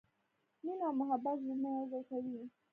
مینه او محبت زړونه یو ځای کوي.